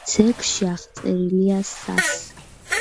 ძეგლში აღწერილია სას.